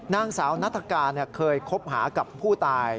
นางสาวนัฐกาลเคยคบหากับผู้ตาย